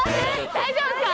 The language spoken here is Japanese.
大丈夫ですか？